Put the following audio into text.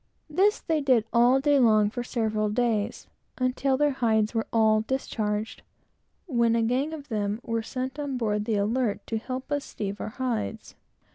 This they did all day long for several days, until their hides were all discharged, when a gang of them were sent on board the Alert, to help us steeve our hides.